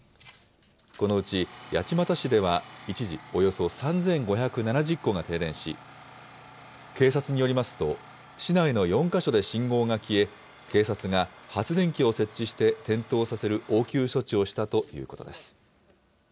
このうち八街市では、一時およそ３５７０戸が停電し、警察によりますと、市内の４か所で信号が消え、警察が発電機を設置して点灯させる応急処置をしたということです。